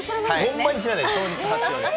ほんまに知らないです。